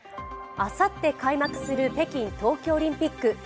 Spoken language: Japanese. あさって開幕する北京冬季オリンピック。